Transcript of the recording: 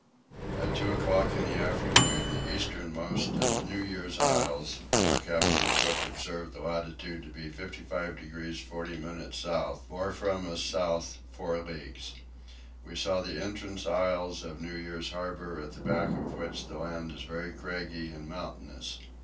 At two o'clock in the afternoon the easternmost of New Year's Isles, where Captain Cook observed the latitude to be 55 degrees 40 minutes south, bore from us south four leagues. We saw the entrance isles of New Year's harbour at the back of which the land is very craggy and mountainous.